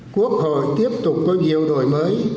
quốc hội tiếp tục có nhiều đổi mới